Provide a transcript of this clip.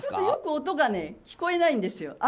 よく音がね聞こえないんですよ。